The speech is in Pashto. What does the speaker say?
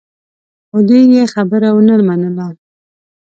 خو دې يې خبره ونه منله.